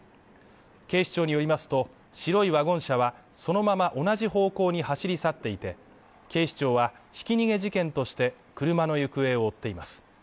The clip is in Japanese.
警視庁によりますと、白いワゴン車は、そのまま同じ方向に走り去っていて、警視庁はひき逃げ事件として車の行方を追っています。